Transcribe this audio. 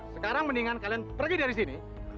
sekarang mendingan kalian pergi dari sini